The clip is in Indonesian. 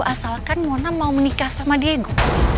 asalkan mona mau menikah sama diego